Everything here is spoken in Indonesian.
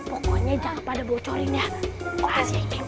pokoknya jangan pada bocorin ya rahasianya